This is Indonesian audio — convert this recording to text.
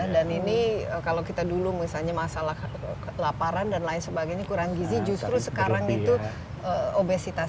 dan ini kalau kita dulu misalnya masalah laparan dan lain sebagainya kurang gizi justru sekarang itu obesitas